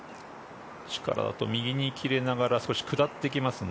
右に切れながら少し下っていきます。